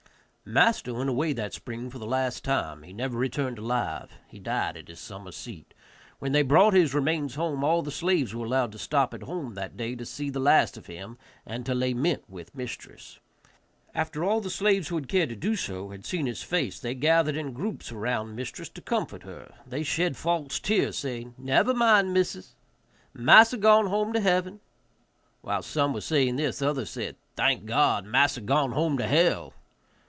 Master went away that spring for the last time; he never returned alive; he died at his summer seat. When they brought his remains home all of the slaves were allowed to stop at home that day to see the last of him, and to lament with mistress. After all the slaves who cared to do so had seen his face, they gathered in groups around mistress to comfort her; they shed false tears, saying, "Never mind, missis, massa gone home to heaven." While some were saying this, others said, "Thank God, massa gone home to hell."